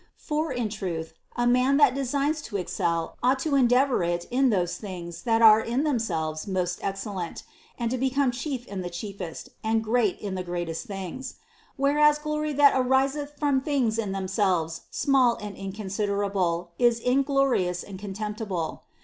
For, in truth, a man that designs to excel ought to endeavor it in those things that are in themselves most excellent, and to become chief in the chiefest, and great in the greatest things. Whereas glory that ariseth from things in themselves small and inconsiderable is inglorious and contemptible.